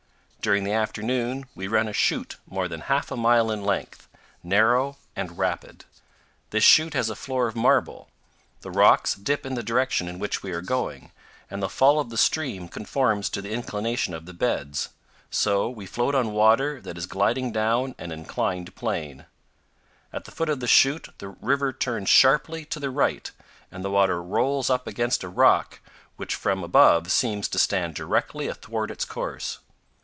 During the afternoon we run a chute more than half a mile in length, narrow and rapid. This chute has a floor of marble; the rocks dip in the direction in which we are going, and the fall of the stream conforms to the inclination of the beds; so we float on water that is gliding down an inclined plane. At the foot of the chute the river turns sharply to the right and the water rolls up against a rock which from above seems to stand directly athwart its course.